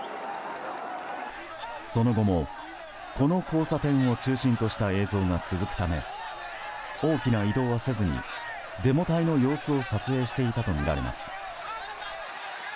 その後もこの交差点を中心とした映像が続くため大きな移動はせずにデモ隊の様子を撮影していたとみられます。